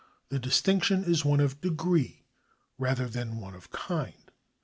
The distinction is one of degree rather than of kind.